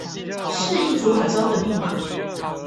是一組很糟的密碼